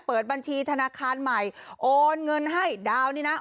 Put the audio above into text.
เปิดบัญชีธนาคารใหม่โอนเงินให้ดาวนี่นะ